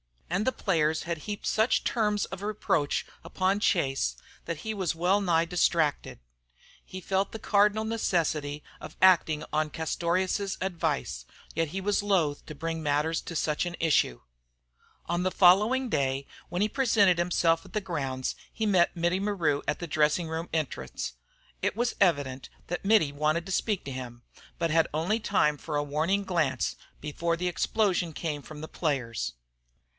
And the players had heaped such terms of reproach upon Chase that he was well nigh distracted. He felt the cardinal necessity of acting on Castorious's advice, yet was loath to bring matters to such an issue. On the day following, when he presented himself at the grounds he met Mittie Maru at the dressing room entrance. It was evident that Mittie wanted to speak to him, but had only time for a warning glance before the explosion came from the players.